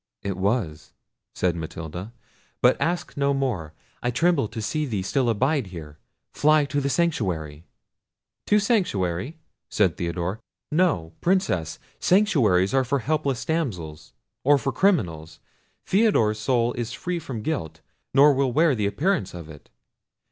"It was," said Matilda; "but ask no more; I tremble to see thee still abide here; fly to the sanctuary." "To sanctuary," said Theodore; "no, Princess; sanctuaries are for helpless damsels, or for criminals. Theodore's soul is free from guilt, nor will wear the appearance of it.